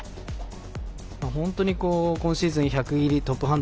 本当に今シーズン１００入りトップハンド